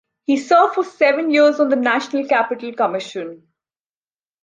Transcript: He served for seven years on the National Capital Commission.